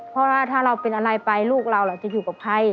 เพราะว่าถ้าเราเป็นอะไรไปลูกเราเราจะอยู่กับใคร